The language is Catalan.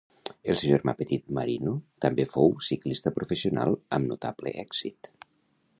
El seu germà petit Marino també fou ciclista professional amb notable èxit.